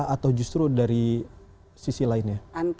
atau justru dari sisi lainnya